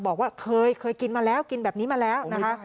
บอกว่าเคยกินมาแล้วกินแบบนี้มาแล้วนะคะ